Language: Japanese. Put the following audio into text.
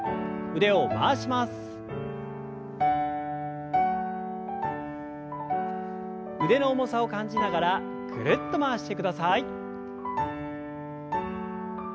腕の重さを感じながらぐるっと回してください。